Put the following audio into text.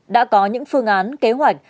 đã có những phương án kế hoạch